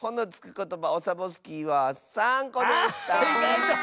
ことばオサボスキーは３こでした！